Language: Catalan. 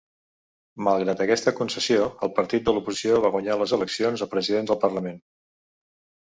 Malgrat aquesta concessió, el partit de l'oposició va guanyar les eleccions a President del Parlament.